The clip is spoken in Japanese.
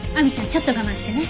ちょっと我慢してね。